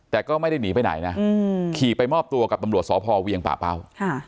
แต่ก็ไม่ได้หนีไปไหนนะขี่ไปมอบตัวกับตำรวจสพเวียงป่าเป้า